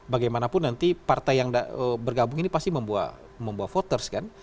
bagaimanapun nanti partai yang bergabung ini pasti membawa voters kan